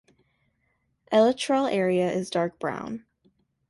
Elytral area is dark brown.